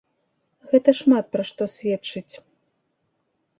Гэта шмат пра што сведчыць.